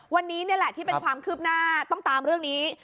วันนี้นี่แหละที่เป็นความคืบหน้าต้องตามเรื่องนี้